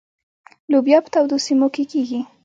لوبیا په تودو سیمو کې کیږي.